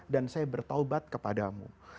dan saya bertobat kepadamu